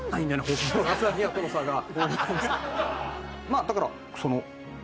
まあだからその。